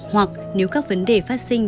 hoặc nếu các vấn đề phát sinh